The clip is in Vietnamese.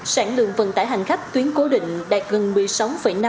sản lượng vận tải hành khách tuyến cố định đạt gần một mươi sáu năm